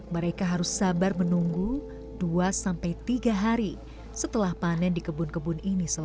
mereka harus sabar menunggu dua sampai tiga hari setelah panen di kebun kebun ini selesai